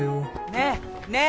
ねえねえ